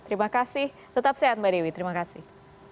terima kasih tetap sehat mbak dewi terima kasih